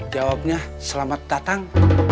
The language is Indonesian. jawabnya selamat datang